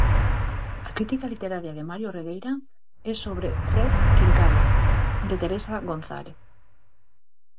A crítica literaria de Mario Regueira é sobre 'Fred Quincalla', de Teresa González.